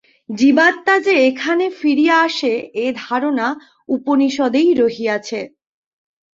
জীবাত্মা যে এখানে ফিরিয়া আসে, এ ধারণা উপনিষদেই রহিয়াছে।